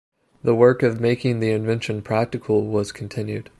The work of making the invention practical was continued.